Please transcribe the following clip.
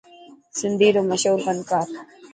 سنڌي رو مشهور فنڪار.